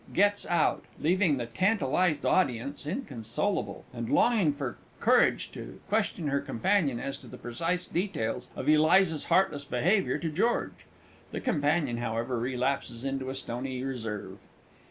[_Gets out, leaving the tantalised audience inconsolable, and longing for courage to question her companion as to the precise details of Eliza's heartless behaviour to George. The companion, however, relapses into a stony reserve.